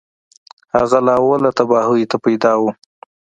هغه له اوله تباهیو ته پیدا و